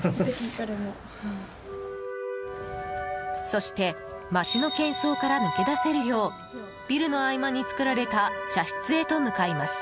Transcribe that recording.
そして街の喧騒から抜け出せるようビルの合間に作られた茶室へと向かいます。